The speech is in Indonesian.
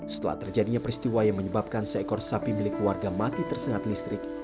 setelah terjadinya peristiwa yang menyebabkan seekor sapi milik warga mati tersengat listrik